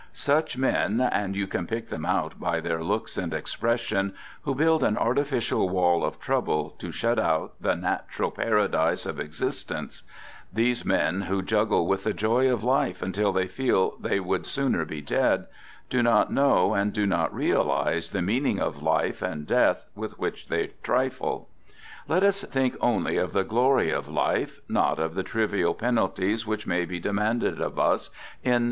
Such men, and you can pick them out by their looks and expression, who build an artificial wall of trouble, to shut out the natural paradise of exist ence; these men who juggle with the joy of life until they feel they would sooner be dead, do not know, and do not realize the meaning of life and death with which they trifle. Let us think only of the glory of life; not of the trivial penalties which may be demanded of us in.